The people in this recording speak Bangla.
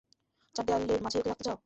চার দেয়ালের মাঝেই ওকে রাখতে চাও?